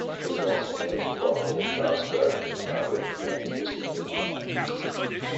It is also known informally as Shaw's Garden for founder and philanthropist Henry Shaw.